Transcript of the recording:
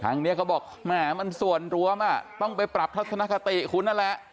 นี้เขาบอกแหมมันส่วนรวมต้องไปปรับทัศนคติคุณนั่นแหละ